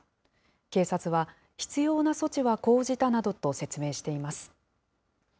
警察は、必要な措置は講じたなどと説明しています。